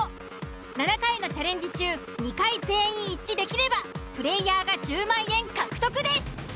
７回のチャレンジ中２回全員一致できればプレイヤーが１０万円獲得です。